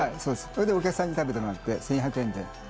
それでお客さんに食べてもらって１１００円で。